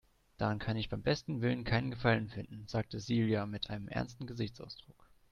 Daran kann ich beim besten Willen keinen Gefallen finden, sagte Silja mit einem ernsten Gesichtsausdruck.